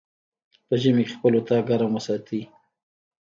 په ژمی کی خپل اطاق ګرم وساتی